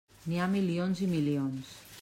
N'hi ha milions i milions.